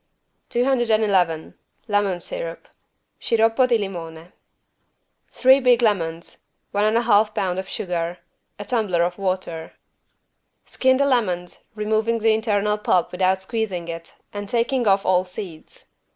211 LEMON SYRUP (Sciroppo di limone) Three big lemons. One and a half pound of sugar. A tumbler of water. Skin the lemons, removing the internal pulp without squeezing it and taking off all seeds.